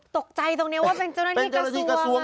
ตกใจตรงนี้ว่าเป็นเจ้าหน้าที่กระทรวง